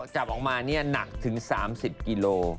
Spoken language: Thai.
จับออกมานี่หนักถึง๓๐กิโล